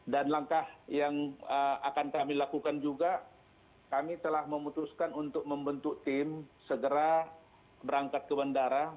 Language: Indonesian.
dan langkah yang akan kami lakukan juga kami telah memutuskan untuk membentuk tim segera berangkat ke bandara